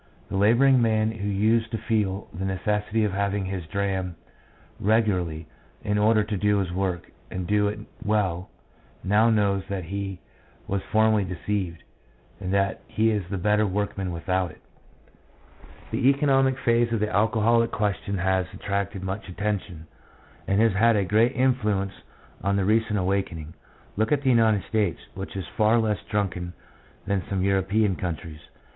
The labouring man who used to feel the necessity of having his dram regularly in order to do his work and do it well, now knows that he was formerly deceived, and that he is the better workman without it. INTRODUCTION. 7 The economic phase of the alcoholic question has attracted much attention, and has had a great in fluence on the recent awakening. Look at the United States, which is far less drunken than some European countries.